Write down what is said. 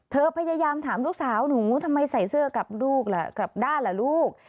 เธอพยายามถามลูกสาวหนูทำไมใส่เสื้อกลับด้านล่ะลูก